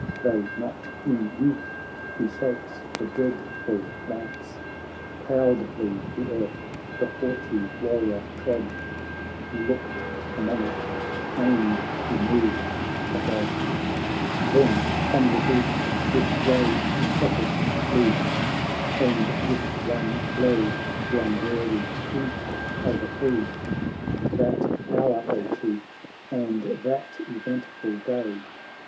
Tho' not in youth, he shakes the dreadful lance ; Proudly the earth the haughty warrior trod, He looked a Monarch and he moved a God: 24 THE BATTLE OF MARATHON Then on the Greek with rage intrepid flew And with one blow th' unwary Greek o'erthrew ; That hour, O Chief, and that eventful day.